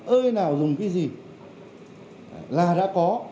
ơi nào dùng cái gì là đã có